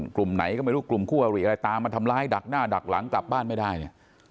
กลุ่มไหนก็ไม่รู้กลุ่มคู่อริอะไรตามมาทำร้ายดักหน้าดักหลังกลับบ้านไม่ได้เนี่ย